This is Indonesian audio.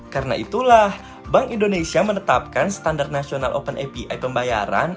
karena itulah bank indonesia menetapkan standar nasional open api pembayaran